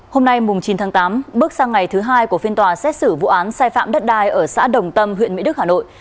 hôm nay chín tháng tám bước sang ngày thứ hai của phiên tòa xét xử vụ án sai phạm đất đai ở xã đồng tâm huyện mỹ đức hà nội